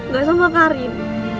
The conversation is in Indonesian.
ga sama karim